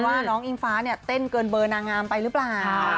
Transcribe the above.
ว่าน้องอิงฟ้าเนี่ยเต้นเกินเบอร์นางงามไปหรือเปล่า